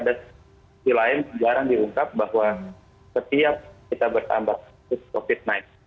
tapi lain jarang diungkap bahwa setiap kita bertambah covid sembilan belas